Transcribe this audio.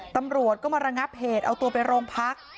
ตำรวจก็มาระงับเหตุเอาตัวไปโรงพัก